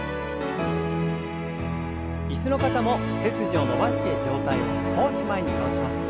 椅子の方も背筋を伸ばして上体を少し前に倒します。